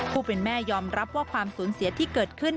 ผู้เป็นแม่ยอมรับว่าความสูญเสียที่เกิดขึ้น